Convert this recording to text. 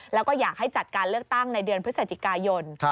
แล้วก็อยากให้จัดการเลือกตั้งในเดือนพฤศจิกายน